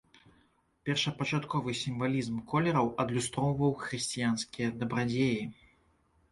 Першапачатковы сімвалізм колераў адлюстроўваў хрысціянскія дабрадзеі.